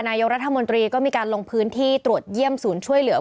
นายกรัฐมนตรีก็มีการลงพื้นที่ตรวจเยี่ยมศูนย์ช่วยเหลือ